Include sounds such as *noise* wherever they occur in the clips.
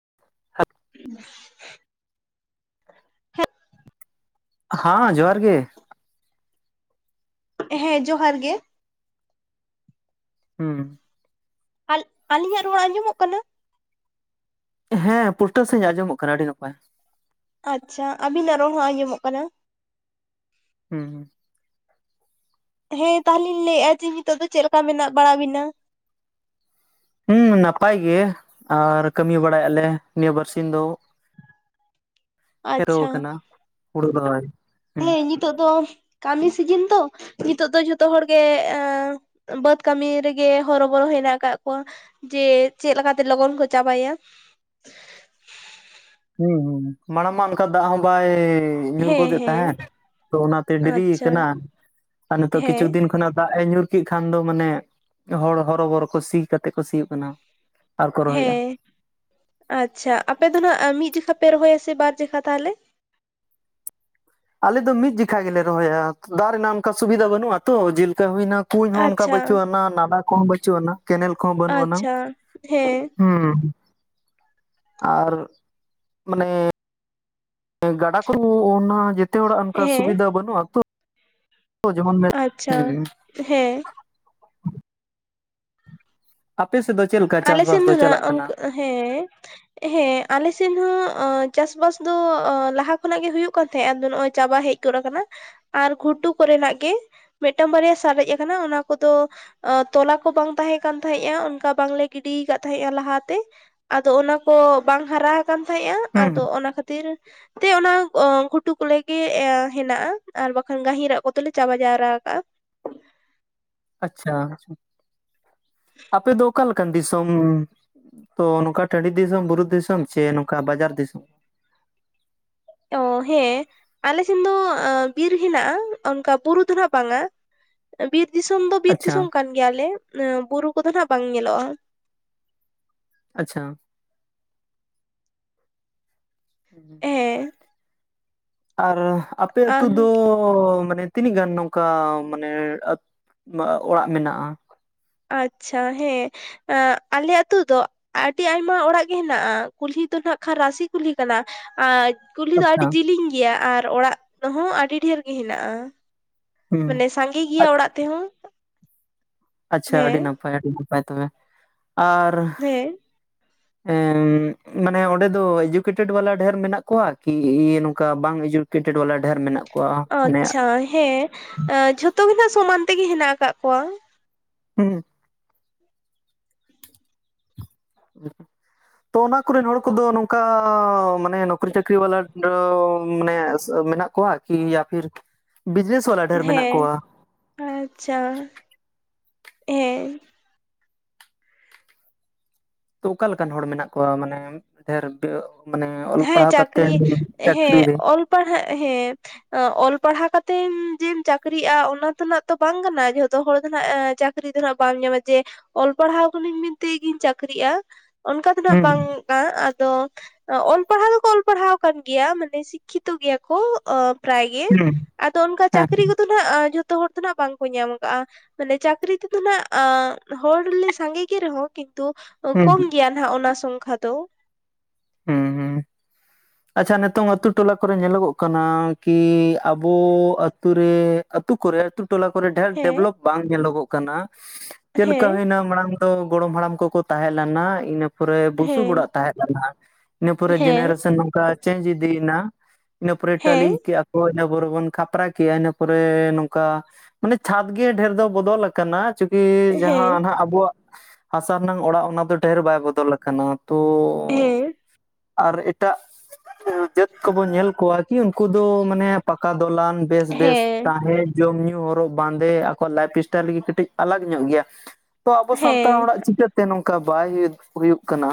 *inaudible* *inaudible* ᱦᱟᱸ ᱡᱚᱦᱟᱨ ᱜᱮ᱾ ᱦᱮᱸ ᱡᱚᱦᱟᱨ ᱜᱮ᱾ ᱦᱩᱸ᱾ ᱟᱞ-ᱟᱞᱤᱧᱟᱜ ᱨᱚᱲ ᱟᱸᱡᱚᱢᱚᱜ ᱠᱟᱱᱟ? ᱦᱮᱸ ᱯᱩᱥᱴᱟᱹ ᱥᱟᱦᱤᱡ ᱟᱸᱡᱚᱢᱚᱜ ᱠᱟᱱᱟ ᱟᱹᱰᱤ ᱱᱟᱯᱟᱭ᱾ ᱟᱪᱪᱷᱟ ᱟᱵᱤᱱᱟᱜ ᱨᱚᱲ ᱦᱚᱸ ᱟᱸᱡᱚᱢᱚᱜ ᱠᱟᱱᱟ᱾ ᱦᱩᱸ ᱦᱩᱸ, ᱦᱮᱸ ᱛᱟᱦᱚᱞᱮᱧ ᱞᱟᱹᱭᱮᱜᱼᱟ ᱡᱮ ᱱᱤᱛᱚᱜ ᱫᱚ ᱪᱮᱫ ᱞᱮᱠᱟ ᱢᱮᱱᱟᱜ ᱵᱟᱲᱟ ᱵᱤᱱᱟ? ᱦᱩᱸ, ᱱᱟᱯᱟᱭ ᱜᱮ ᱟᱨ ᱠᱟᱹᱢᱤ ᱵᱟᱲᱟᱭ ᱟᱞᱮ ᱱᱤᱭᱟᱹ ᱵᱟᱨᱥᱤᱧ ᱫᱚ᱾ ᱦᱤᱨᱳᱣ ᱟᱪᱪᱷᱟ ᱟᱠᱟᱱᱟ ᱦᱩᱲᱩ ᱨᱚᱦᱚᱭ ᱾ ᱦᱤᱛᱳᱜ ᱫᱚ ᱠᱟᱹᱢᱤ ᱥᱤᱡᱤᱱ ᱛᱚ ᱱᱤᱛᱳᱜ ᱫᱚ ᱡᱚᱛᱚ ᱦᱚᱲ ᱜᱮ ᱵᱟᱹᱫᱽ ᱠᱟᱹᱢᱤ ᱨᱮ ᱜᱮ ᱦᱚᱨᱚᱵᱚᱨᱚ ᱦᱮᱱᱟᱜ ᱟᱠᱟᱫ ᱠᱚᱣᱟ ᱾ ᱡᱮ, ᱪᱮᱫ ᱞᱮᱠᱟ ᱛᱮ ᱞᱚᱜᱚᱱ ᱠᱚ ᱪᱟᱵᱟᱭᱟ ᱾ ᱦᱩᱸ ᱦᱩᱸ, ᱢᱟᱲᱟᱝ ᱢᱟ ᱚᱝᱠᱟ ᱫᱟᱜ ᱦᱚᱸ ᱵᱟᱭ ᱧᱩᱨ ᱦᱮᱸ ᱜᱚᱫᱮᱫ ᱦᱮᱸ ᱛᱟᱦᱮᱫ ᱚᱱᱟ ᱛᱮ ᱰᱤᱨᱤ ᱟᱪᱪᱷᱟ ᱟᱠᱟᱱᱟ ᱾ ᱟᱨ ᱱᱤᱛᱳᱜ ᱦᱮᱸ ᱠᱤᱪᱷᱩ ᱫᱤᱱ ᱠᱷᱚᱱᱟᱜ ᱫᱟᱜ ᱮ ᱧᱩᱨ ᱠᱤᱜ ᱠᱷᱟᱱ ᱫᱚ ᱢᱟᱱᱮ ᱦᱚᱲ ᱦᱚᱨᱚᱵᱚᱨᱚ ᱠᱚ ᱥᱤ ᱠᱟᱛᱮᱫ ᱠᱚ ᱥᱤᱭᱳᱜ ᱠᱟᱱᱟ ᱟᱨ ᱠᱚ ᱨᱚᱦᱚᱭᱮᱫᱼᱟ ᱾ ᱦᱮᱸ ᱟᱪᱪᱷᱟ ᱟᱯᱮ ᱫᱚ ᱱᱟᱦᱟᱜ ᱢᱤᱫ ᱡᱚᱠᱷᱟ ᱯᱮ ᱨᱚᱦᱚᱭᱟ ᱥᱮ ᱵᱟᱨ ᱡᱚᱠᱷᱟ ᱛᱟᱦᱚᱞᱮ? ᱟᱞᱮ ᱫᱚ ᱢᱤᱫ ᱡᱚᱠᱷᱟ ᱜᱮ ᱞᱮ ᱨᱚᱦᱚᱭᱟ ᱫᱟᱜ ᱨᱮᱱᱟᱜ ᱚᱝᱠᱟ ᱥᱩᱵᱤᱫᱷᱟ ᱵᱟᱹᱱᱩᱜᱼᱟ ᱛᱚ ᱡᱤᱞᱠᱟ ᱦᱩᱭᱱᱟ ᱠᱩᱧ ᱦᱚᱸ ᱚᱱᱠᱟ ᱟᱪᱪᱷᱟ ᱵᱟᱹᱪᱩᱜ ᱟᱱᱟᱝ ᱱᱟᱞᱟ ᱠᱚ ᱦᱚᱸ ᱵᱟᱹᱪᱩᱜ ᱟᱱᱟ ᱠᱮᱱᱮᱞ ᱠᱚ ᱦᱚᱸ ᱵᱟᱹᱱᱩᱜ ᱟᱱᱟ᱾ ᱟᱪᱪᱷᱟ ᱦᱮᱸ ᱦᱩᱸ, ᱟᱨ ᱢᱟᱱᱮ ᱜᱟᱰᱟ ᱠᱚ ᱚᱱᱟ ᱡᱮᱛᱮ ᱦᱚᱲᱟᱜ ᱚᱱᱠᱟ ᱦᱮᱸ ᱥᱩᱵᱤᱫᱷᱟ ᱵᱟᱹᱱᱩᱜᱼᱟ ᱛᱚ, ᱡᱮᱢᱚᱱ ᱟᱪᱪᱷᱟ ᱦᱩᱸ ᱦᱮᱸ, ᱟᱯᱮ ᱥᱮᱫ ᱫᱚ ᱪᱮᱫ ᱞᱮᱠᱟ ᱪᱟᱥ ᱟᱞᱮ ᱥᱮᱱ ᱵᱟᱥ ᱫᱚ ᱱᱟᱜ ᱪᱟᱞᱟᱜ ᱠᱟᱱᱟ? ᱚᱱᱠᱟ ᱦᱮᱸ, ᱦᱮᱸ ᱟᱞᱮ ᱥᱮᱫ ᱦᱚᱸ ᱪᱟᱥ ᱵᱟᱥ ᱫᱚ ᱟᱞᱮ ᱥᱮᱫ ᱦᱚᱸ ᱪᱟᱥ ᱵᱟᱥ ᱫᱚ ᱞᱟᱦᱟ ᱠᱷᱚᱱᱟᱜ ᱜᱮ ᱦᱩᱭᱩᱜ ᱠᱟᱱ ᱛᱟᱦᱮᱸᱫ ᱟᱫᱚ ᱱᱚᱜ-ᱚᱭ ᱪᱟᱵᱟ ᱦᱮᱡ ᱩᱛᱟᱹᱨ ᱟᱠᱟᱱᱟ ᱟᱨ ᱜᱷᱩᱴᱩ ᱠᱚᱨᱮᱱᱟᱜ ᱜᱮ ᱢᱤᱫ ᱴᱟᱝ ᱵᱟᱨᱭᱟ ᱥᱟᱨᱮᱡ ᱟᱠᱟᱱᱟ ᱚᱱᱟ ᱠᱚ ᱫᱚ ᱛᱚᱞᱟ ᱠᱚ ᱵᱟᱝ ᱛᱟᱦᱮᱸ ᱠᱟᱱ ᱛᱟᱦᱮᱸᱜᱼᱟ ᱚᱝᱠᱟ ᱵᱟᱝ ᱞᱮ ᱜᱤᱰᱤ ᱟᱠᱟᱫ ᱛᱟᱦᱮᱜ-ᱟ ᱞᱟᱦᱟᱛᱮ ᱟᱫᱚ ᱚᱱᱟ ᱠᱚ ᱵᱟᱝ ᱦᱟᱨᱟ ᱟᱠᱟᱱ ᱛᱟᱦᱮᱸᱫᱼᱟ ᱦᱩᱸ ᱟᱫᱚ ᱚᱱᱟ ᱠᱷᱟᱹᱛᱤᱨ ᱛᱤᱨ, ᱛᱮ ᱚᱱᱟ ᱜᱷᱩᱴᱩ ᱠᱚ ᱞᱮ ᱜᱮ ᱦᱮᱱᱟᱜᱼᱟ ᱟᱨ ᱵᱟᱠᱷᱟᱱ ᱜᱟᱹᱦᱤᱨᱟᱜ ᱠᱚ ᱫᱚᱞᱮ ᱪᱟᱵᱟ ᱡᱟᱣᱨᱟ ᱠᱟᱜᱼᱟ ᱾ ᱟᱪᱪᱷᱟ ᱟᱪᱷᱟ, ᱟᱯᱮ ᱫᱚ ᱚᱠᱟ ᱞᱮᱠᱟᱱ ᱫᱤᱥᱚᱢ ᱛᱚ ᱱᱚᱝᱠᱟ ᱴᱟᱺᱰᱤ ᱫᱤᱥᱚᱢ ᱵᱩᱨᱩ ᱫᱤᱥᱚᱢ ᱪᱮ ᱱᱚᱝᱠᱟ ᱵᱟᱡᱟᱨ ᱫᱤᱥᱚᱢ? ᱚ ᱦᱮᱸ ᱟᱞᱮ ᱥᱮᱱ ᱫᱚ ᱵᱤᱨ ᱦᱮᱱᱟᱜᱼᱟ ᱚᱝᱠᱟ ᱵᱩᱨᱩ ᱫᱚ ᱦᱟᱜ ᱵᱟᱝᱼᱟ ᱾ ᱵᱤᱨ ᱫᱤᱥᱚᱢ ᱫᱚ ᱵᱤᱨ ᱟᱪᱪᱷᱟ ᱫᱤᱥᱚᱢ ᱠᱟᱱ ᱜᱮᱭᱟᱞᱮ ᱵᱩᱨᱩ ᱠᱚ ᱫᱚ ᱱᱟᱜ ᱵᱟᱝ ᱧᱮᱞᱚᱜᱼᱟ ᱾ ᱟᱪᱪᱷᱟ, *unintelligible* ᱦᱮᱸ, ᱟᱨ ᱟᱯᱮ ᱟᱹᱛᱩ ᱫᱚ ᱳᱸ ᱢᱟᱱᱮ ᱛᱤᱱᱤᱜ ᱜᱟᱱ ᱱᱚᱝᱠᱟ ᱢᱟᱱᱮ ᱚᱲᱟᱜ ᱢᱮᱱᱟᱜᱼᱟ? ᱟᱪᱪᱷᱟ ᱦᱮᱸ, ᱟᱞᱮ ᱟᱛᱩ ᱫᱚ ᱟᱹᱰᱤ ᱟᱭᱢᱟ ᱚᱲᱟᱜ ᱜᱮ ᱦᱮᱱᱟᱜᱼᱟ, ᱠᱩᱞᱦᱤ ᱫᱚ ᱱᱟᱜ ᱠᱷᱟᱱ ᱨᱟᱥᱤ ᱠᱩᱞᱦᱤ ᱠᱟᱱᱟ ᱟᱨ ᱠᱩᱞᱦᱤ ᱫᱚ ᱟᱪᱪᱷᱟ ᱟᱹᱰᱤ ᱡᱤᱞᱤᱧ ᱜᱮᱭᱟ ᱟᱨ ᱚᱲᱟᱜ ᱦᱚᱸ ᱟᱹᱰᱤ ᱰᱷᱮᱨ ᱜᱮ ᱦᱮᱱᱟᱜᱼᱟ ᱾ ᱦᱩᱸ ᱢᱟᱱᱮ ᱥᱟᱸᱜᱮ ᱜᱮᱭᱟ ᱚᱲᱟᱜ ᱛᱮ ᱦᱚᱸ ᱾ ᱟᱪᱪᱷᱟ ᱟᱹᱰᱤ ᱱᱟᱯᱟᱭ ᱩᱰᱩᱜ ᱟᱜ ᱛᱚᱵᱮ ᱟᱨ ᱦᱮᱸ ᱮᱻᱮᱢ, ᱢᱟᱱᱮ ᱚᱸᱰᱮ ᱫᱚ ᱮᱰᱩᱠᱮᱴᱮᱰ ᱵᱟᱞᱟ ᱰᱷᱮᱨ ᱢᱮᱱᱟᱜ ᱠᱚᱣᱟ, ᱠᱤ ᱱᱚᱝᱠᱟ ᱵᱟᱝ ᱮᱰᱩᱠᱮᱴᱮᱰ ᱵᱟᱞᱟ ᱰᱷᱮᱨ ᱢᱮᱱᱟᱜ ᱠᱚᱣᱟ ᱢᱟᱱᱮ ᱟᱪᱪᱷᱟ ᱦᱮᱸ, ᱡᱷᱚᱛᱚ ᱜᱮ ᱱᱟᱜ ᱥᱚᱢᱟᱱ ᱛᱮ ᱜᱮ ᱦᱮᱱᱟᱜ ᱠᱟᱫ ᱠᱚᱣᱟ ᱾ ᱦᱩᱸ, *unintelligible* ᱛᱚ ᱚᱱᱟ ᱠᱚᱨᱮᱱ ᱦᱚᱲ ᱠᱚ ᱫᱚ ᱱᱚᱝᱠᱟ ᱢᱟᱱᱮ ᱱᱚᱠᱨᱤ ᱪᱟᱹᱠᱨᱤ ᱵᱟᱞᱟ ᱫᱚ ᱢᱟᱱᱮ ᱢᱮᱱᱟᱜ ᱠᱚᱣᱟ ᱠᱚᱣᱟᱜ ᱠᱤ ᱟᱯᱷᱤᱨ ᱵᱤᱡᱮᱥ ᱦᱮᱸ, ᱟᱪᱪᱷᱟ ᱦᱮᱸ᱾ ᱚᱠᱟ ᱞᱮᱠᱟᱱ ᱦᱚᱲ ᱢᱮᱱᱟᱜ ᱠᱚᱣᱟ ᱢᱟᱱᱮ ᱰᱮᱨ ᱢᱟᱱᱮ ᱚᱞ ᱦᱮᱸ ᱯᱟᱲᱦᱟᱣ ᱠᱟᱛᱮ, ᱪᱟᱹᱠᱨᱤ ᱪᱟᱹᱠᱨᱤ ᱦᱮᱸ ᱨᱮ ᱚᱞ ᱯᱟᱲᱦᱟᱜ ᱦᱮᱸᱛ ᱚᱞ ᱯᱟᱲᱦᱟᱣ ᱠᱟᱛᱮ ᱡᱮᱢ ᱪᱟᱹᱠᱨᱤᱜᱼᱟ, ᱚᱱᱟ ᱛᱮᱱᱟᱜ ᱵᱟᱝ ᱠᱟᱱᱟ ᱡᱷᱚᱛᱚ ᱦᱚᱲ ᱫᱚᱱᱟᱜ ᱪᱟᱹᱠ ᱪᱟᱹᱠᱨᱤ ᱫᱚ ᱦᱟᱸᱜ ᱵᱟᱢ ᱧᱟᱢᱟ ᱡᱮ, ᱚᱞ ᱯᱟᱲᱦᱟᱣ ᱠᱟᱹᱱᱟᱹᱧ ᱢᱮᱱᱛᱮ ᱜᱤᱧ ᱪᱟᱹᱠᱨᱤ-ᱟ᱾ ᱚᱱᱠᱟ ᱫᱚ ᱱᱟᱜ ᱦᱩᱸ ᱵᱟᱝ ᱠᱟᱱᱟ, ᱟᱫᱚ ᱚᱞ ᱯᱟᱲᱦᱟᱣ ᱫᱚᱠᱚ ᱚᱞ ᱯᱟᱲᱦᱟᱣ ᱠᱟᱱ ᱜᱮᱭᱟ, ᱢᱟᱱᱮ ᱥᱤᱠᱠᱷᱤᱛᱚ ᱜᱮᱭᱟ ᱠᱚ, ᱚᱸ ᱯᱨᱟᱭ ᱜᱮ ᱦᱩᱸ ᱟᱫᱚ, ᱚᱱᱠᱟ ᱦᱮᱸ ᱪᱟᱹᱠᱨᱤ ᱠᱚᱫᱚ ᱱᱟᱜ, ᱡᱷᱚᱛᱚ ᱦᱚᱲ ᱫᱚ ᱱᱟᱜ ᱵᱟᱝᱠᱚ ᱧᱟᱢ ᱠᱟᱜ-ᱟ᱾ ᱢᱟᱱᱮ ᱪᱟᱹᱠᱨᱤ ᱛᱮᱫᱚᱦᱟᱜ, ᱦᱚᱲᱞᱮ ᱜ ᱥᱟᱜᱮ ᱜᱮ ᱨᱮᱦᱚᱸ, ᱠᱤᱱᱛᱩ ᱦᱩᱸ ᱠᱚᱢ ᱜᱮᱭᱟ ᱱᱟᱜ, ᱚᱱᱟ ᱥᱚᱝᱠᱷᱟ ᱫᱚ᱾ ᱦᱩᱸ ᱦᱩᱸ ᱟᱪᱪᱷᱟ ᱱᱤᱛᱚᱝ ᱟᱛᱩ ᱴᱚᱞᱟ ᱠᱚᱨᱮ, ᱧᱮᱞᱚᱜᱚᱜ ᱠᱟᱱᱟ, ᱠᱤ ᱟᱵᱚ ᱟᱛᱩ ᱨᱮ ᱟᱹᱛᱩ ᱠᱚᱨᱮ ᱟᱹᱛᱩ ᱴᱚᱞᱟ ᱠᱚᱨᱮ ᱰᱮᱨ ᱦᱮᱸ ᱰᱮᱵᱷᱞᱚᱯ ᱵᱟᱝ ᱧᱮᱞᱚᱜᱚᱜ ᱠᱟᱱᱟ, ᱪᱮᱫᱞᱮᱠᱟ ᱦᱮᱸ ᱦᱳᱭᱱᱟ ᱢᱟᱲᱟᱝ ᱫᱚ ᱜᱚᱲᱚᱢ ᱦᱟᱲᱟᱢ ᱠᱚᱠᱚ ᱛᱟᱦᱮᱸ ᱞᱮᱱᱟ, ᱤᱱᱟᱹ ᱯᱚᱨᱮ ᱵᱩᱥᱩᱵ ᱦᱮᱸ ᱚᱲᱟᱜ ᱛᱟᱦᱮᱸ ᱞᱮᱱᱟ᱾ ᱤᱱᱟᱹ ᱯᱚᱨᱮ ᱦᱮᱸ ᱡᱮᱱᱟᱨᱮᱥᱚᱱ ᱱᱚᱝᱠᱟ, ᱪᱮᱧᱡᱽ ᱤᱫᱤᱭᱮᱱᱟ, ᱤᱱᱟᱹ ᱯᱚᱨᱮ ᱴᱟᱞᱤ ᱦᱮᱸ ᱠᱮᱜᱼᱟ ᱠᱚ ᱾ ᱤᱱᱟᱹ ᱯᱚᱨᱮ ᱵᱚᱱ ᱠᱷᱟᱯᱨᱟ ᱠᱮᱜ-ᱟ, ᱤᱱᱟᱹ ᱯᱚᱨᱮ ᱱᱚᱝᱠᱟ ᱢᱟᱱᱮ ᱪᱷᱟᱫᱽ ᱜᱮ, ᱰᱷᱮᱨ ᱫᱚ ᱵᱚᱫᱚᱞ ᱠᱟᱱᱟ᱾ ᱠᱤ ᱡᱟᱦᱟᱸ ᱦᱮᱸ ᱱᱟᱦᱱᱟᱜ ᱟᱵᱚᱣᱟᱜ, ᱦᱟᱥᱟ ᱨᱮᱱᱟᱝ ᱚᱲᱟᱜ ᱚᱱᱟ ᱫᱚ, ᱰᱷᱮᱨ ᱵᱟᱭ ᱵᱚᱫᱚᱞ ᱠᱟᱱᱟ᱾ ᱛᱚ ᱦᱮᱸ ᱟᱨ ᱮᱴᱟᱜ ᱡᱟᱹᱛ ᱠᱚᱵᱚᱱ ᱧᱮᱞ ᱠᱚᱣᱟ, ᱠᱤ ᱩᱱᱠᱩ ᱫᱚ ᱢᱟᱱᱮ, ᱯᱟᱠᱟ ᱫᱚᱞᱟᱱ᱾ ᱵᱮᱥ ᱵᱮᱥ ᱦᱮᱸ ᱛᱟᱦᱮᱸ ᱡᱚᱢ ᱧᱩ ᱦᱚᱨᱚᱜ ᱵᱟᱸᱫᱮ, ᱟᱠᱚᱣᱟᱜ ᱞᱟᱭᱤᱯᱷ ᱥᱴᱟᱭᱤᱞ ᱜᱮ ᱠᱟᱹᱴᱤᱡ ᱟᱞᱟᱠ ᱧᱚᱜ ᱜᱮᱭᱟ᱾ ᱛᱚ ᱟᱵᱚ ᱥᱟᱱᱛᱟᱲ ᱦᱮᱸ ᱦᱚᱲᱟᱜ ᱪᱤᱠᱟᱹᱛᱮ, ᱱᱚᱝᱠᱟ ᱵᱟᱭ ᱦᱩᱭᱩᱜ ᱠᱟᱱᱟ᱾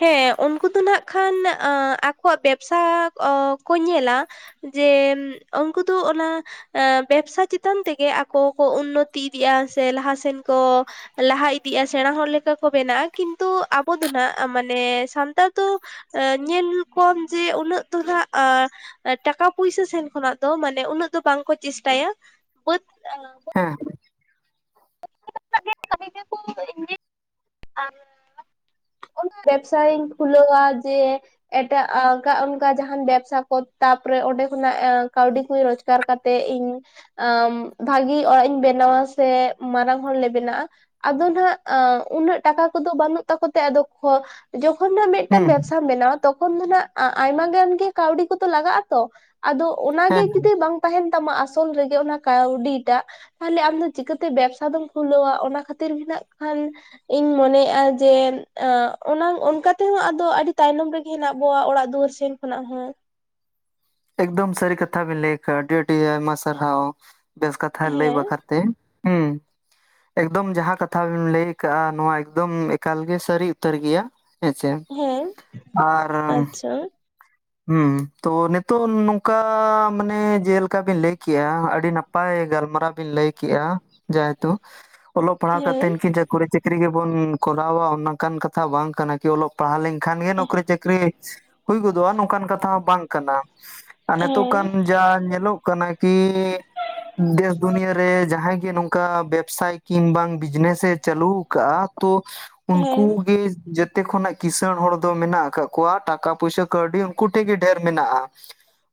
ᱦᱮᱸ ᱩᱱᱠᱩ ᱫᱚ ᱱᱟᱜ ᱠᱷᱟᱱ, ᱟᱠᱚᱣᱟᱜ ᱵᱮᱵᱥᱟ ᱠᱚ ᱧᱮᱞᱟ᱾ ᱡᱮ ᱩᱱᱠᱩ ᱫᱚ, ᱚᱱᱟ ᱵᱮᱵᱥᱟ ᱪᱮᱛᱟᱱ ᱛᱮᱜᱮ ᱟᱠᱚ ᱠᱚ, ᱩᱱᱱᱚᱛᱤ ᱤᱫᱤᱜ-ᱟ, ᱥᱮ ᱞᱟᱦᱟᱥᱮᱱ ᱠᱚ ᱞᱟᱦᱟ ᱤᱫᱤᱜ-ᱟ, ᱥᱮᱲᱟ ᱦᱚᱲ ᱞᱮᱠᱟ ᱠᱚ ᱵᱮᱱᱟᱜ-ᱟ᱾ ᱠᱤᱱᱛᱩ ᱫᱚ ᱱᱟᱜ ᱢᱟᱱᱮ ᱥᱟᱱᱛᱟᱲ ᱫᱚ, ᱧᱮᱞ ᱠᱚᱢ ᱡᱮ ᱩᱱᱟᱹᱜ ᱫᱚ ᱦᱟᱜ-ᱟᱜ ᱴᱟᱠᱟ ᱯᱩᱭᱥᱟ ᱥᱮᱱ ᱠᱷᱚᱱᱟᱜ ᱫᱚ, ᱢᱟᱱᱮ ᱩᱱᱟᱹᱜ ᱫᱚ ᱵᱟᱝᱠᱚ ᱪᱮᱥᱴᱟᱭᱟ ᱵᱟᱹᱫᱽ ᱦᱮ *inaudible* ᱤᱤᱥ *unintelligible* *unintelligible* ᱟᱨ ᱚᱱᱟ ᱵᱮᱵᱽᱥᱟᱭᱤᱧ ᱠᱷᱩᱞᱟᱹᱣᱟ ᱡᱮ ᱮᱴᱟᱜᱟᱜ ᱚᱱᱠᱟ ᱡᱟᱦᱟᱱ ᱵᱮᱵᱥᱟ ᱠᱚ, ᱛᱟᱯᱚᱨᱮ ᱚᱸᱰᱮ ᱠᱷᱚᱱᱟᱜ ᱠᱟᱹᱣᱰᱤ ᱠᱚ ᱨᱚᱡᱽᱜᱟᱨ ᱠᱟᱨ ᱠᱟᱛᱮᱜ ᱤᱧ, ᱟᱸ ᱵᱷᱟᱜᱤ ᱚᱲᱟᱜ ᱤᱧ ᱵᱮᱱᱟᱣᱟ ᱥᱮ ᱢᱟᱨᱟᱝ ᱦᱚᱲᱞᱮ ᱵᱮᱱᱟᱜ-ᱟ᱾ ᱟᱫᱚ ᱱᱟᱦᱟᱜ ᱩᱱᱟᱹᱜ ᱴᱟᱠᱟ ᱠᱚᱫᱚ ᱵᱟᱹᱱᱩᱜ ᱛᱟᱠᱚ ᱛᱮ, ᱟᱫᱚ ᱡᱚᱠᱷᱚᱱ ᱦᱮᱸ ᱵᱮᱵᱥᱟ ᱵᱮᱱᱟᱣᱼᱟ᱾ ᱛᱚᱠᱷᱚᱱ ᱫᱚ ᱱᱟᱜ ᱟᱭᱢᱟ ᱜᱟᱱ ᱜᱮ, ᱠᱟᱹᱣᱰᱤ ᱠᱚᱛᱚ ᱞᱟᱜᱟᱜ-ᱟ ᱛᱚ, ᱟᱫᱚ ᱚᱱᱟᱜᱮ ᱦᱮᱸ ᱡᱩᱫᱤ ᱵᱟᱝ ᱛᱟᱦᱮᱱ ᱛᱟᱢᱟ ᱟᱥᱚᱞ ᱨᱮᱜᱮ, ᱚᱱᱟ ᱠᱟᱹᱣᱰᱤ ᱴᱟᱜ ᱛᱟᱦᱚᱞᱮ ᱟᱢᱫᱚ ᱪᱤᱠᱟᱹᱛᱮ, ᱵᱮᱵᱥᱟ ᱫᱚᱢ ᱠᱷᱩᱞᱟᱹᱣᱟ ᱚᱱᱟ ᱠᱷᱟᱹᱛᱤᱨ ᱢᱮᱱᱟᱜ ᱠᱷᱟᱱ᱾ ᱤᱧ ᱢᱚᱱᱮᱭᱮᱜ-ᱟ ᱡᱮ ᱚᱱᱟ ᱚᱱᱠᱟ ᱛᱮᱦᱚᱸ ᱟᱫᱚ, ᱟᱹᱰᱤ ᱛᱟᱭᱱᱚᱢ ᱨᱮᱜᱮ ᱦᱮᱱᱟᱜ ᱵᱚᱣᱟ, ᱚᱲᱟᱜ ᱫᱩᱣᱟᱹᱨ ᱥᱮᱱ ᱠᱷᱚᱱᱟᱜ ᱦᱚᱸ ᱮᱠᱫᱚᱢ ᱥᱟᱹᱨᱤ ᱠᱟᱛᱷᱟ ᱵᱮᱤᱱ ᱞᱟᱹᱭ ᱠᱟᱜᱼᱟ, ᱟᱹᱰᱤ ᱟᱹᱰᱤ ᱟᱭᱢᱟ ᱥᱟᱨᱦᱟᱣ, ᱵᱮᱥ ᱠᱟᱛᱷᱟ ᱞᱟᱹᱭ ᱦᱮᱸ ᱵᱟᱠᱷᱨᱟ ᱛᱮ ᱦᱩᱸ *unintelligible* *inaudible* ᱮᱠᱫᱚᱢ ᱡᱟᱦᱟᱸ ᱠᱟᱛᱷᱟ ᱵᱤᱱᱢ ᱞᱟᱹᱭ ᱠᱟᱜᱼᱟ, ᱱᱚᱣᱟ ᱮᱠᱫᱚᱢ ᱮᱠᱟᱞ ᱜᱮ ᱥᱟᱹᱨᱤ ᱩᱛᱟᱹᱨ ᱜᱮᱭᱟ᱾ ᱦᱮᱸᱥᱮ, ᱦᱮᱸ ᱟᱨ ᱟᱪᱪᱷᱟ ᱦᱩᱸ ᱛᱚ ᱱᱤᱛᱚᱜ ᱱᱚᱝᱠᱟ ᱢᱟᱱᱮ ᱡᱮᱞᱮᱠᱟ ᱵᱤᱱ ᱞᱟᱹᱭ ᱠᱮᱜ-ᱟ ᱟᱹᱰᱤ ᱱᱟᱯᱟᱭ ᱱᱟᱯᱟᱭ ᱜᱟᱞᱢᱟᱨᱟᱣ ᱵᱤᱱ ᱞᱟᱹᱭ ᱠᱮᱜ-ᱟ ᱡᱟᱦᱮᱛᱩ ᱚᱞᱚᱜ ᱯᱟᱲᱦᱟᱣ ᱠᱟᱛᱮᱱ ᱦᱮᱸ ᱠᱤᱱ ᱪᱚᱠᱚᱨᱤ, ᱪᱟᱹᱠᱨᱤ ᱜᱮᱵᱚᱱ ᱠᱚᱨᱟᱣᱟ ᱚᱱᱠᱟᱱ ᱠᱟᱛᱷᱟ ᱵᱟᱝ ᱠᱟᱱᱟ ᱠᱤ ᱚᱞᱚᱜ ᱯᱟᱲᱦᱟᱣ ᱞᱮᱱᱠᱷᱟᱱ ᱜᱮ ᱦᱮᱸ ᱱᱚᱠᱨᱤ ᱪᱟᱹᱠᱨᱤ ᱦᱩᱭ ᱜᱚᱫᱚᱜ-ᱟ ᱱᱚ ᱠᱟᱛᱷᱟ ᱦᱚᱸ ᱵᱟᱝ ᱠᱟᱱᱟ ᱟᱨ ᱱᱤᱛᱚᱜ ᱦᱮᱸ ᱠᱟᱱ ᱡᱟ ᱧᱮᱞᱚᱜ ᱠᱟᱱᱟ ᱠᱤ ᱫᱮᱥ ᱫᱩᱱᱤᱭᱟᱹᱨᱮ ᱡᱟᱦᱟᱸᱭ ᱜᱮ ᱱᱚᱝᱠᱟ ᱵᱮᱵᱽᱥᱟᱭ ᱠᱤᱝ ᱵᱟᱝ ᱵᱤᱡᱽᱱᱮᱥᱮ ᱪᱟᱹᱞᱩ ᱠᱟᱜ-ᱟ ᱛᱚ ᱩᱱᱠᱩ ᱦᱮᱸ ᱜᱮ ᱡᱮᱛᱮ ᱠᱷᱚᱱᱟᱜ ᱠᱤᱥᱟᱹᱬ ᱦᱚᱲ ᱫᱚ ᱢᱮᱱᱟᱜ ᱟᱠᱟᱫ ᱠᱚᱣᱟ ᱴᱟᱠᱟ ᱯᱩᱭᱥᱟ ᱠᱟᱹᱣᱰᱤ ᱦᱚ ᱩᱱᱠᱩ ᱴᱷᱮᱜ ᱰᱷᱮᱨ ᱢᱮᱱᱟᱜ-ᱟ᱾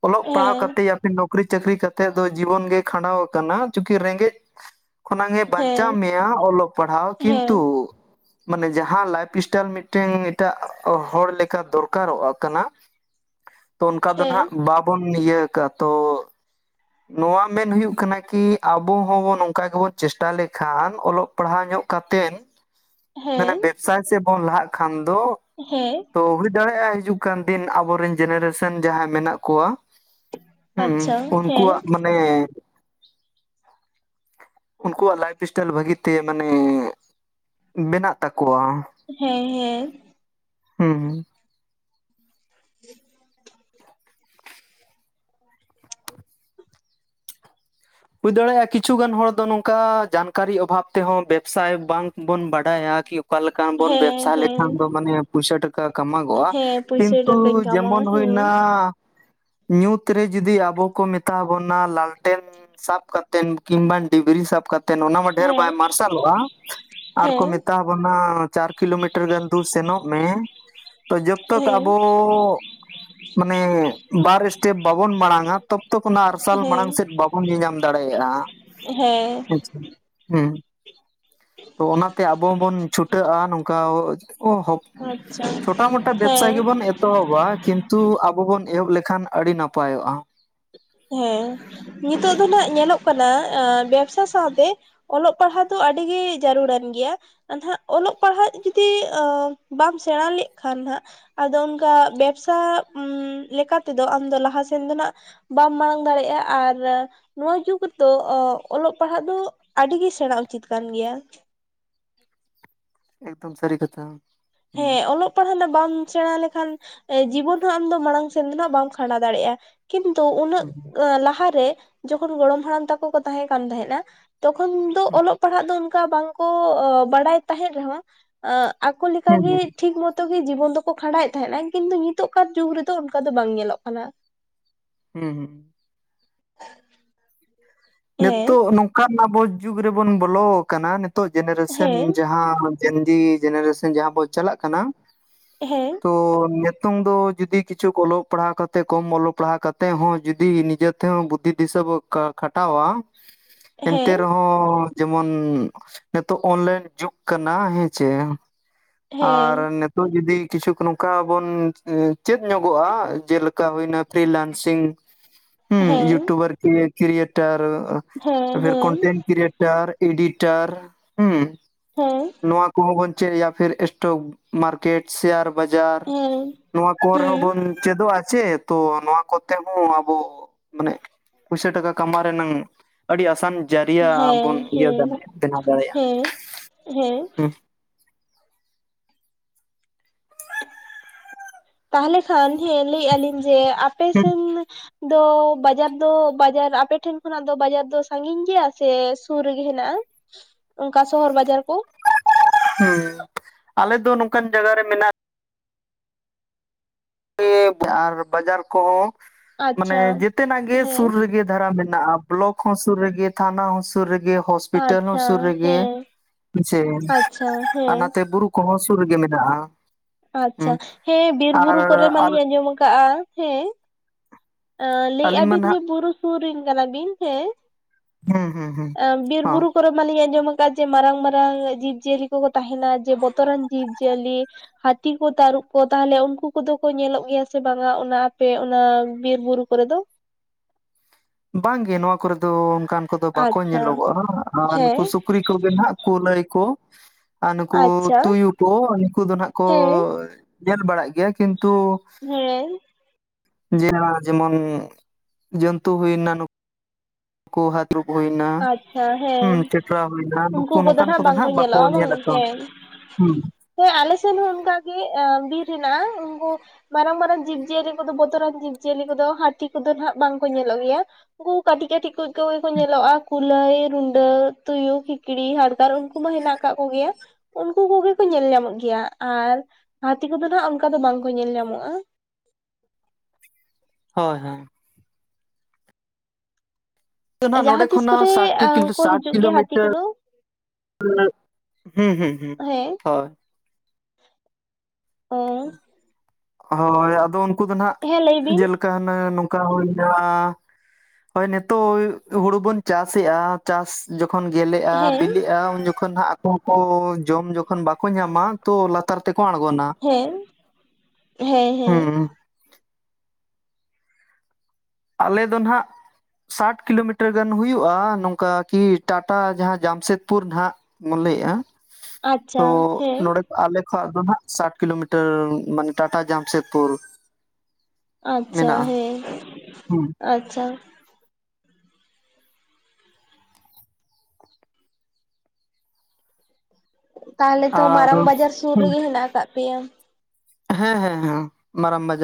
ᱚᱞᱚᱜ ᱯᱟᱲᱦᱟᱣ ᱦᱮᱸ ᱠᱟᱛᱮᱭᱟ ᱱᱚᱠᱨᱤ, ᱪᱟᱹᱠᱨᱤ ᱠᱟᱛᱮᱜ ᱫᱚ ᱡᱤᱵᱚᱱ ᱜᱮ ᱠᱷᱟᱸᱰᱟᱣ ᱟᱠᱟᱱᱟ ᱪᱩᱠᱤ ᱨᱮᱸᱜᱮᱡᱽ ᱠᱷᱚᱱᱟᱝ ᱮ ᱵᱟᱸᱧᱪᱟᱣ ᱦᱮᱸ ᱢᱮᱭᱟ ᱚᱞᱚᱜ ᱯᱟᱲᱦᱟᱣ ᱦᱮᱸ ᱠᱤᱱᱛᱩ ᱢᱟᱱᱮ ᱡᱟᱦᱟᱸ ᱞᱟᱭᱤᱯᱷ ᱥᱴᱟᱭᱤᱞ ᱢᱤᱫᱴᱮᱱ ᱮᱴᱟᱜ ᱦᱚᱲ ᱞᱮᱠᱟ ᱫᱚᱨᱠᱟᱨᱚᱜ-ᱟ ᱠᱟᱱᱟ ᱛᱚ ᱚᱱᱠᱟ ᱫᱚᱱ ᱦᱟᱸᱜ ᱵᱟᱵᱚᱱ ᱤᱭᱟᱹᱠᱟᱜ-ᱟ ᱛᱚ ᱱᱚᱣᱟ ᱢᱮᱱ ᱦᱩᱭᱩᱜ ᱠᱟᱱᱟ ᱠᱤ ᱟᱵᱚ ᱦᱚᱸᱵᱚᱱ ᱱᱚᱝᱠᱟ ᱜᱮᱵᱚᱱ ᱪᱮᱥᱴᱟ ᱞᱮᱠᱷᱟᱱ ᱚᱞᱚᱜ ᱯᱟᱲᱦᱟᱣ ᱧᱚᱜ ᱠᱟᱛᱮᱱ ᱢᱟᱱᱮ ᱦᱮᱸ ᱵᱮᱵᱽᱥᱟ ᱥᱮᱫ ᱵᱚᱱ ᱞᱟᱦᱟᱜ ᱠᱷᱟᱱ ᱫᱚ ᱦᱮᱸ᱾ ᱛᱚ ᱦᱩᱭ ᱫᱟᱲᱮᱭᱟᱜ-ᱟ ᱦᱤᱡᱩᱜ ᱠᱟᱱ ᱫᱤᱱ ᱟᱵᱚᱨᱮᱱ ᱡᱮᱱᱟᱨᱮᱥᱚᱱ ᱡᱟᱦᱟᱸᱭ ᱢᱮᱱᱟᱜ ᱠᱚᱣᱟ ᱦᱩᱸ ᱟᱪᱪᱷᱟ ᱦᱮᱸ ᱩᱱᱠᱩᱣᱟᱜ ᱢᱟᱱᱮ ᱩᱱᱠᱩᱣᱟᱜ ᱞᱟᱭᱤᱯᱷ ᱥᱴᱟᱭᱤᱞ ᱵᱷᱟᱹᱜᱤᱛᱮ ᱢᱟᱱᱮ ᱢᱮᱱᱟᱜ ᱛᱟᱠᱚᱣᱟ᱾ ᱦᱮᱸ ᱦᱮᱸ᱾ ᱦᱩᱸ ᱦᱩᱸ᱾ *inaudible* ᱦᱩᱭ ᱫᱟᱲᱮᱭᱟᱜ-ᱟ ᱠᱤᱪᱷᱩ ᱜᱟᱱ ᱦᱚᱲ ᱫᱚ ᱱᱚᱝᱠᱟ ᱡᱟᱱᱠᱟᱨᱤ ᱚᱵᱷᱟᱵ ᱛᱮᱦᱚᱸ ᱵᱮᱵᱽᱥᱟᱭ ᱵᱟᱝᱵᱚᱱ ᱵᱟᱰᱟᱭᱟ ᱠᱤ ᱚᱠᱟ ᱞᱮᱠᱟᱢ ᱵᱚ ᱵᱮᱵᱽᱥᱟ ᱦᱮᱸ ᱦᱮᱸ ᱞᱮᱠᱷᱟᱱ ᱫᱚ ᱢᱟᱱᱮ ᱯᱩᱭᱥᱟ ᱴᱟᱠᱟ ᱠᱟ ᱠᱟᱢᱟᱜᱚᱜ-ᱟ ᱦᱮᱸ ᱯᱩᱭᱥᱟᱹ ᱠᱤᱱᱛᱩ ᱴᱟᱠᱟᱧ ᱠᱟᱢᱟᱣᱟ ᱡᱮᱢᱚᱱ ᱦᱮᱸ ᱦᱩᱭᱱᱟ ᱧᱩᱛ ᱨᱮ ᱡᱩᱫᱤ ᱟᱵᱚ ᱠᱚ ᱢᱮᱛᱟ ᱵᱚᱱᱟ ᱞᱟᱞᱴᱮᱱ ᱥᱟᱵ ᱠᱟᱛᱮᱱ ᱠᱤᱢᱵᱟᱱ ᱰᱤᱵᱨᱤ ᱥᱟᱵ ᱠᱟᱛ ᱛᱮᱱ ᱚᱱᱟ ᱢᱟ ᱰᱷᱮᱨ ᱵᱟᱭ ᱦᱮᱸ ᱢᱟᱨᱥᱟᱞᱚᱜ-ᱟ ᱟᱨ ᱠᱚ ᱦᱮᱸ ᱢᱮᱛᱟ ᱵᱚᱱᱟ ᱪᱟᱨ ᱠᱤᱞᱳᱢᱤᱴᱟᱨ ᱜᱟᱱ ᱫᱩ ᱥᱮᱱᱚᱜ ᱢᱮ᱾ ᱛᱚ ᱡᱚᱛᱚ ᱠᱚ ᱦᱮᱸ ᱟᱵᱚ ᱢᱟᱱᱮ ᱵᱟᱨ ᱥᱴᱮᱯ ᱵᱟᱵᱚᱱ ᱢᱟᱲᱟᱝᱟ ᱛᱚᱯᱛᱚᱯ ᱚᱱᱟ ᱟᱨᱥᱟᱞ ᱦᱮᱸ ᱢᱟᱲᱟᱝ ᱥᱮᱫ ᱵᱟᱵ ᱧᱮᱧᱟᱢ ᱫᱟᱲᱮᱭᱟᱜ-ᱟ ᱦᱮᱸ ᱟᱪᱪᱷᱟ ᱦᱮᱸ᱾ ᱛᱚ ᱚᱱᱟᱛᱮ ᱟᱵᱚ ᱦᱚ ᱵᱚᱱ ᱪᱷᱩᱴᱟᱹᱜ-ᱟ ᱱᱚᱝᱠᱟ *unintelligible* ᱚ ᱦᱚᱯ ᱟᱪᱪᱷᱟ ᱪᱷᱚᱴᱟ ᱢᱚᱴᱟ ᱵᱮᱵᱽᱥᱟᱭ ᱦᱮᱸ ᱜᱮᱵᱚᱱ ᱮᱛᱚᱦᱚᱵ ᱵᱟ ᱠᱤᱱᱛᱩ ᱟᱵᱚ ᱵᱚᱱ ᱮᱦᱚᱵ ᱞᱮᱠᱷᱟᱱ ᱟᱹᱰᱤ ᱱᱟᱯᱟᱭᱚᱜ-ᱟ᱾ ᱦᱮᱸ ᱱᱤᱛᱳᱜ ᱫᱚ ᱱᱟᱦᱟᱸᱜ ᱧᱮᱞᱚᱜ ᱠᱟᱱᱟ ᱮ ᱵᱮᱵᱽᱥᱟ ᱥᱟᱶᱛᱮ ᱚᱞᱚᱜ ᱯᱟᱲᱦᱟᱜ ᱫᱚ ᱟᱹᱰᱤᱜᱮ ᱡᱟᱹᱨᱩᱲᱟᱱ ᱜᱮᱭᱟ᱾ ᱟᱨᱫᱚ ᱦᱟᱸᱜ ᱚᱞᱚᱜ ᱯᱟᱲᱦᱟᱜ ᱡᱩᱫᱤ ᱟᱻ ᱵᱟᱢ ᱥᱮᱬᱟ ᱞᱮᱜ ᱠᱷᱟᱱ ᱦᱟᱸᱜ ᱟᱫᱚ ᱚᱱᱠᱟ ᱵᱮᱵᱽᱥᱟ ᱞᱮᱠᱟᱛᱮᱫᱚ ᱟᱢᱫᱚ ᱞᱟᱦᱟ ᱥᱮᱱ ᱫᱚ ᱱᱟᱦᱟᱸᱜ ᱵᱟᱢ ᱢᱟᱲᱟᱝ ᱫᱟᱲᱮᱭᱟᱜ-ᱟ ᱟᱨ ᱱᱚᱣᱟ ᱡᱩᱜᱽ ᱨᱮᱫᱚ ᱚᱞᱚᱜ ᱯᱟᱲᱦᱟᱜ ᱫᱚ ᱟᱹᱰᱤᱜᱮ ᱥᱮᱬᱟ ᱩᱪᱤᱛ ᱠᱟᱱ ᱜᱮᱭᱟ᱾ ᱮᱠᱫᱚᱢ ᱥᱟᱹᱨᱤ ᱠᱟᱛᱷᱟ᱾ ᱦᱮᱸ ᱚᱞᱚᱜ ᱛᱟᱦᱚᱞᱮ ᱫᱚ ᱵᱟᱢ ᱥᱮᱬᱟ ᱞᱮᱠᱷᱟᱱ ᱮᱸ ᱡᱤᱵᱚᱱ ᱦᱚᱸ ᱟᱢ ᱫᱚ ᱢᱟᱲᱟᱝ ᱥᱮᱱ ᱫᱚ ᱱᱟᱦᱟᱸᱜ ᱵᱟᱢ ᱠᱷᱟᱸᱰᱟᱣ ᱫᱟᱲᱮᱭᱟᱜ-ᱟ᱾ ᱠᱤᱱᱛᱩ ᱩᱱᱟᱹᱜ ᱦᱩᱸ ᱦᱩᱸ ᱞᱟᱦᱟ ᱨᱮ ᱡᱚᱠᱷᱚᱱ ᱜᱚᱲᱚᱢ ᱦᱟᱲᱟᱢ ᱛᱟᱠᱚ ᱠᱚ ᱛᱟᱦᱮᱸ ᱠᱟᱱ ᱛᱟᱦᱮᱸᱱᱟ ᱛᱚᱠᱷᱚᱱ ᱫᱚ ᱚᱞᱚᱜ ᱯᱟᱲᱦᱟᱜ ᱫᱚ ᱚᱱᱠᱟ ᱵᱟᱝ ᱠᱚᱻ ᱵᱟᱲᱟᱭ ᱛᱟᱸᱦᱮᱫ ᱨᱮᱸᱦᱚᱸ ᱟ ᱟᱠᱚ ᱞᱮᱠ ᱚᱱᱠᱟ ᱦᱩᱸ ᱜᱮ ᱴᱷᱤᱠ ᱢᱚᱛᱚ ᱜᱮ ᱡᱤᱵᱚᱱ ᱫᱚᱠᱚ ᱠᱷᱟᱸᱰᱟᱣᱮᱫ ᱛᱟᱦᱮᱸᱱᱟ ᱠᱤᱱᱛᱩ ᱱᱤᱛᱚᱜ ᱠᱟᱨ ᱡᱩᱜᱽ ᱨᱮᱫᱚ ᱚᱱᱠᱟ ᱫᱚ ᱵᱟᱝ ᱧᱮᱞᱚᱜ ᱠᱟᱱᱟ᱾ ᱦᱩᱸ ᱦᱩᱸ ᱦᱮᱸ ᱱᱤᱛᱚᱜ ᱱᱚᱝᱠᱟᱱ ᱟᱵᱚ ᱡᱩᱜᱽ ᱨᱮᱵᱚᱱ ᱵᱚᱞᱚ ᱠᱟᱱᱟ ᱱᱤᱛᱚᱜ ᱡᱮᱱᱟᱨᱮᱥᱚᱱ ᱦᱮᱸ ᱡᱟᱸᱦᱟ ᱟ ᱡᱮᱱ ᱡᱤ ᱡᱮᱱᱟᱨᱮᱥᱟᱱ ᱡᱟᱸᱦᱟ ᱵᱚᱱ ᱪᱟᱞᱟᱜ ᱠᱟᱱᱟ᱾ ᱦᱮᱸ ᱛᱚ ᱱᱤᱛᱚᱝ ᱫᱚ ᱡᱩᱫᱤ ᱠᱤᱪᱷᱩ ᱚᱞᱚᱜ ᱯᱟᱲᱦᱟᱣ ᱠᱟᱛᱮ ᱠᱚᱢ ᱚᱞᱚᱜ ᱯᱟᱲᱦᱟᱣ ᱠᱟᱛᱮ ᱦᱚᱸ ᱡᱩᱫᱤ ᱱᱤᱡᱮ ᱵᱩᱫᱽᱫᱷᱤ ᱫᱤᱥᱟᱹ ᱵᱚ ᱠᱷᱟ ᱠᱷᱟᱴᱟᱣᱟ ᱮᱱᱛᱮ ᱦᱮᱸ ᱨᱮᱸᱦᱚ ᱚᱻ ᱡᱮᱢᱚᱱ ᱱᱤᱛᱚᱜ ᱚᱱᱞᱟᱹᱭᱤᱱ ᱡᱩᱜᱽ ᱠᱟᱱᱟ ᱦᱮᱸ ᱪᱮ᱾ ᱟᱨ ᱦᱮᱸ ᱱᱤᱛ ᱱᱤᱛᱚᱜ ᱡᱩᱫᱤ ᱠᱤᱪᱷᱩᱠ ᱱᱚᱝᱠᱟ ᱵᱚᱱ ᱮ ᱪᱮᱫ ᱧᱚᱜᱚᱜᱼᱟ ᱡᱮᱞᱮᱠᱟ ᱦᱩᱭᱱᱟ ᱯᱨᱤᱞᱟᱱᱥᱤᱝ᱾ *unintelligible* ᱦᱩᱸ ᱤᱭᱩᱴᱩᱵᱟᱨ ᱠᱨᱤ ᱠᱨᱤᱭᱮᱴᱟᱨ ᱦᱮᱸ ᱯᱷᱮᱨ ᱦᱮᱸ ᱠᱚᱱᱴᱮᱱᱴ ᱠᱨᱤᱭᱮᱴᱟᱨ᱾ ᱴᱟᱨ ᱮᱰᱤᱴᱟᱨ ᱦᱩᱸ᱾ ᱦᱮᱸ ᱱᱚᱣᱟ ᱠᱚᱦᱚᱸ ᱵᱚᱱ ᱪᱮᱫ ᱭᱟ ᱯᱷᱤᱨ ᱥᱴᱚᱠ ᱢᱟᱨᱠᱮᱴ ᱥᱮᱭᱟᱨ᱾ ᱵᱟᱡᱟᱨ ᱦᱮᱸ ᱱᱚᱣᱟ ᱠᱚ ᱨᱮᱸᱦᱚ ᱦᱩᱸ ᱵᱚᱱ᱾ ᱪᱮᱫᱚᱜᱼᱟ ᱪᱮ ᱛᱚ ᱱᱚᱣᱟ ᱠᱚᱛᱮ ᱦᱚᱸ ᱟᱵᱚ ᱢᱟᱱᱮ ᱯᱩᱭᱥᱟ ᱴᱟᱠᱟ ᱠᱟᱢᱟᱣ ᱨᱮᱱᱟᱝ ᱟᱹᱰᱤ ᱟᱥᱟᱱ ᱡᱟᱹᱨᱤᱭᱟ ᱦᱮᱸ ᱟᱨ ᱵᱚᱱ ᱤᱭᱟᱹ ᱦᱮᱸ ᱫᱟᱲᱮᱭᱟᱜᱼᱟ ᱵᱮᱱᱟᱣ ᱫᱟᱲᱮᱭᱟᱜᱼᱟ᱾ ᱦᱮᱸ ᱦᱮᱸ ᱦᱩᱸ ᱛᱟᱦᱚᱞᱮ ᱠᱷᱟᱱ ᱦᱮᱸ ᱞᱟᱹᱭᱮᱜᱼᱟ ᱞᱤᱧ ᱡᱮ ᱟᱯᱮ ᱦᱩᱸ ᱥᱮᱱ ᱫᱚ ᱵᱟᱡᱟᱨ ᱫᱚ ᱵᱟᱡᱟᱨ ᱟᱯᱮᱴᱷᱮᱱ ᱠᱷᱚᱱᱟᱜ ᱫᱚ ᱵᱟᱡᱟᱨ ᱫᱚ ᱥᱟᱺᱜᱤᱧ ᱜᱮᱭᱟ ᱥᱮ ᱥᱩᱨ ᱨᱮᱜᱮ ᱦᱮᱱᱟᱜᱼᱟ? ᱚᱱᱠᱟ ᱥᱚᱦᱚᱨ ᱵᱟᱡᱟᱨ ᱠᱚ᱾ *unintelligible* ᱦᱮᱸ ᱟᱞᱮ ᱱᱚᱝᱠᱟᱱ ᱡᱟᱭᱜᱟ ᱨᱮ ᱢᱮᱱᱟᱜ ᱜᱮ ᱟᱨ ᱵᱟᱡᱟᱨ ᱠᱚᱦᱚᱸ ᱢᱟᱱᱮ ᱟᱪᱪᱷᱟ ᱡᱮᱛᱮ ᱱᱟᱜ ᱜᱮ ᱦᱮᱸ ᱥᱩᱨ ᱨᱮᱜᱮ ᱫᱷᱟᱨᱟ ᱢᱮᱱᱟᱜᱼᱟ᱾ ᱵᱞᱚᱠ ᱦᱚᱸ ᱥᱩᱨ ᱨᱮᱜᱮ ᱛᱷᱟᱱᱟ ᱦᱚᱸ ᱥᱩᱨ ᱨᱮᱜᱮ ᱦᱚᱥᱯᱤᱴᱟᱞ ᱦᱚᱸ ᱟᱪᱪᱷᱟ ᱥᱩᱨ ᱨᱮᱜᱮ᱾ ᱦᱮᱸ ᱡᱮ ᱟᱪᱪᱷᱟ ᱟᱨ ᱦᱮᱸ ᱱᱚᱛᱮ ᱵᱩᱨᱩ ᱠᱚᱦᱚᱸ ᱥᱩᱨ ᱨᱮᱜᱮ ᱢᱮᱱᱟᱜᱼᱟ᱾ ᱦᱩᱸ ᱟᱪᱪᱷᱟ ᱦᱮᱸ ᱵᱤᱨ ᱟᱨ ᱵᱩᱨᱩ ᱠᱚᱨᱮ ᱟᱞ ᱢᱟᱞᱤᱧ ᱟᱸᱡᱚᱢ ᱟᱠᱟᱫᱼᱟ ᱦᱮᱸ᱾ ᱮᱸ ᱞᱟᱹᱭᱮᱜᱼᱟ ᱟᱹᱞᱤᱧ ᱢᱟ ᱵᱤᱱ ᱡᱮ ᱱᱟᱦᱟᱜ ᱵᱩᱨᱩ ᱥᱩᱨ ᱨᱮᱱ ᱠᱟᱱᱟ ᱵᱤᱱ, ᱦᱮ ᱦᱩᱸ ᱦᱩᱸ ᱦᱩᱸ ᱟ ᱵᱤᱨ ᱦᱚᱸ ᱵᱩᱨᱩ ᱠᱚᱨᱮ ᱢᱟᱞᱤᱧ ᱟᱸᱡᱚᱢ ᱟᱠᱟᱫ ᱡᱮ ᱢᱟᱨᱟᱝ ᱢᱟᱨᱟᱝ ᱡᱤᱵᱽ ᱡᱤᱭᱟᱹᱞᱤ ᱠᱚᱠᱚ ᱛᱟᱸᱦᱮᱱᱟ ᱡᱮ ᱵᱚᱛᱚᱨᱟᱱ ᱡᱤᱵᱽ ᱡᱤᱭᱟᱹᱞᱤ᱾ ᱦᱟᱹᱛᱤ ᱠᱚ ᱛᱟᱹᱨᱩᱵ ᱠᱚ ᱛᱟᱦᱚᱞᱮ ᱩᱱᱠᱩ ᱠᱚᱫᱚ ᱠᱚ ᱧᱮᱞᱚᱜ ᱜᱮᱭᱟ ᱥᱮ ᱵᱟᱝᱟ ᱚᱱᱟ ᱟᱯᱮ ᱚᱱᱟ ᱵᱤᱨ ᱵᱩᱨᱩ ᱠᱚᱨᱮ ᱫᱚ? ᱵᱟᱝ ᱜᱮ ᱱᱚᱣᱟ ᱠᱚᱨᱮ ᱫᱚ ᱚᱱᱠᱟᱱ ᱠᱚᱫᱚ ᱵᱟᱠᱚ ᱟᱪᱪᱷᱟ ᱧᱮᱞᱚᱜᱚᱜᱼᱟ, ᱟᱨ ᱱᱩᱠᱩ ᱦᱮᱸ ᱥᱩᱠᱨᱤ ᱠᱚ ᱜᱮ ᱱᱟᱜ ᱠᱩᱞᱟᱹᱭ ᱠᱚ᱾ ᱟᱨ ᱱᱩᱠᱩ ᱟᱪᱪᱷᱟ ᱛᱩᱭᱩ ᱠᱚ ᱱᱩᱠᱩ ᱫᱚ ᱱᱟᱜ ᱠᱚᱻ ᱦᱮᱸ ᱧᱮᱞ ᱵᱟᱲᱟᱜ ᱜᱮᱭᱟ, ᱠᱤᱱᱛᱩ ᱦᱮᱸ ᱡᱮ ᱡᱮᱢᱚᱱ ᱡᱚᱱᱛᱩ ᱦᱩᱭᱱᱟ ᱱᱩᱠ᱾ ᱠᱚ ᱦᱟᱛ ᱫᱲᱩᱵ ᱦᱩᱭᱱᱟ, ᱟᱪᱪᱷᱟ ᱦᱩ ᱦᱮᱸ ᱪᱮᱴᱨᱟ ᱦᱩᱭᱱᱟ ᱱᱩᱠᱩ ᱩᱱᱠᱩ ᱱᱚᱝᱠᱟᱱ ᱱᱟᱜ ᱠᱚᱫᱚ ᱵᱟᱝᱠᱚ ᱱᱟᱜᱷ ᱵᱟᱠᱚ ᱧᱮᱞᱚᱜᱼᱟ ᱵᱟᱝ ᱧᱮᱞ ᱟᱠᱟᱣᱱᱟ᱾ ᱦᱩᱸ ᱦᱮᱸ ᱟᱞᱮ ᱥᱮᱱ ᱦᱚᱸ ᱚᱱᱠᱟ ᱜᱮ ᱮ ᱵᱤᱨ ᱦᱮᱱᱟᱜᱼᱟ, ᱩᱱᱠᱩ ᱢᱟᱨᱟᱝ ᱢᱟᱨᱟᱝ ᱡᱤᱵᱽ ᱡᱤᱭᱟᱹᱞᱤ ᱠᱚᱫᱚ ᱵᱚᱛᱚᱨᱟᱱ ᱡᱤᱵᱽ ᱡᱤᱭᱟᱹᱞᱤ ᱠᱚᱫᱚ ᱦᱟᱹᱛᱤ ᱠᱚᱫᱚ ᱱᱟᱜ ᱵᱟᱝ ᱠᱚ ᱧᱮᱞᱚᱜ ᱜᱮᱭᱟ᱾ ᱩᱱᱠᱩ ᱠᱟᱹᱴᱤᱡ ᱠᱟᱹᱴᱤᱡ ᱠᱩᱡ ᱠᱚᱜᱮ ᱠᱚ ᱧᱮᱞᱚᱜᱼᱟ᱾ ᱠᱩᱞᱟᱹᱭ, ᱨᱩᱰᱟᱹ, ᱛᱩᱭᱩ, ᱠᱷᱤᱠᱲᱤ, ᱦᱟᱰᱜᱟᱨ ᱩᱱᱠᱩ ᱢᱟ ᱦᱮᱱᱟᱜ ᱟᱠᱟᱫ ᱠᱚᱜᱮᱭᱟ᱾ ᱩᱱᱠᱩ ᱠᱚᱜᱮ ᱠᱚ ᱧᱮᱞ ᱧᱟᱢᱚᱜ ᱜᱮᱭᱟ ᱟᱨ ᱦᱟᱹᱛᱤ ᱠᱚᱫᱚ ᱦᱟᱜ ᱚᱱᱠᱟ ᱫᱚ ᱵᱟᱝ ᱠᱚ ᱧᱮᱞ ᱧᱟᱢᱚᱜᱼᱟ᱾ ᱦᱳᱭ ᱦᱳᱭ᱾ ᱱᱤᱛ ᱫᱚᱱᱟᱜ ᱱᱚᱸᱰᱮ ᱡᱟᱦᱟᱸ ᱛᱤᱥ ᱠᱚᱨᱮ ᱠᱷᱚᱱᱟᱜ ᱥᱟᱴᱴᱤ ᱠᱤᱞᱳ ᱠᱚ ᱥᱟᱴ ᱦᱤᱡᱩᱜ ᱜᱮᱭᱟ ᱦᱟᱹᱛᱤ ᱠᱤᱞᱳᱢᱤᱴᱟᱨ᱾ ᱠᱚᱫᱚ *inaudible* ᱦᱮᱸ ᱦᱮᱸ ᱦᱮᱸ ᱦᱳᱭ᱾ *inaudible* ᱦᱳᱭ ᱟᱫᱚ ᱩᱱᱠᱩ ᱫᱚ ᱱᱟᱸᱦᱜ ᱦᱮᱸ ᱞᱟᱹᱭ ᱵᱤᱱ ᱡᱮᱞ ᱠᱟᱱ ᱱᱚᱝᱠᱟ ᱦᱩᱭᱱᱟ, ᱦᱳᱭ ᱱᱮᱛᱳᱜ ᱦᱩᱲᱩ ᱵᱚᱱ ᱪᱟᱥ ᱮᱜᱼᱟ᱾ ᱪᱟᱥ ᱡᱚᱠᱷᱚᱱ ᱜᱮᱞᱮᱜᱼᱟ ᱦᱮᱸ ᱵᱤᱞᱤᱜᱼᱟ ᱩᱱ ᱠᱷᱚᱱ ᱦᱟᱜ ᱟᱠᱚ ᱦᱚᱸᱠᱚ ᱡᱚᱢ ᱡᱚᱠᱷᱚᱱ ᱵᱟᱠᱚ ᱧᱟᱢᱟ ᱛᱚ ᱞᱟᱛᱟᱨ ᱛᱮᱠᱚ ᱟᱬᱜᱚᱱᱟ᱾ ᱦᱮᱸ ᱦᱮᱸ ᱦᱮᱸ᱾ ᱦᱩᱸ ᱟᱞᱮ ᱫᱚ ᱱᱟᱦᱟᱜ ᱥᱟᱴ ᱠᱤᱞᱳᱢᱤᱴᱟᱨ ᱜᱟᱱ ᱦᱩᱭᱩᱜᱼᱟ ᱱᱚᱝᱠᱟ ᱠᱤ ᱴᱟᱴᱟ ᱡᱟᱦᱟᱸ ᱡᱟᱢᱥᱮᱫᱽᱯᱩᱨ ᱱᱟᱦᱟᱜ᱾ ᱢᱚᱞᱮᱜᱼᱟ ᱟᱪᱪᱷᱟ ᱛᱚ ᱦᱮᱸ ᱱᱚᱰᱮ ᱟᱞᱮ ᱠᱷᱚᱱᱷᱟᱜ ᱫᱚ ᱱᱷᱟᱜ ᱥᱟᱴ ᱠᱤᱞᱳᱢᱤᱴᱟᱨ ᱢᱟᱱᱮ ᱴᱟᱴᱟ ᱡᱟᱢᱥᱮᱫᱽᱯᱩᱨ᱾ ᱟᱪᱪᱷᱟ ᱦᱮᱸ ᱦᱩᱸ ᱟᱪᱪᱷᱟ᱾ ᱛᱟᱦᱚᱴᱟᱞᱮ ᱛᱚ ᱟᱨ ᱢᱟᱨᱟᱝ ᱵᱟᱡᱟᱨ ᱥᱩᱨ ᱦᱩᱸ ᱨᱮᱜᱮ ᱦᱮᱱᱟᱜ ᱠᱟᱜ ᱯᱮᱭᱟ᱾ ᱦᱮᱸ ᱦᱮᱸ ᱦᱮᱸ ᱢᱟᱨᱟᱢ ᱵᱟᱡᱟᱨ᱾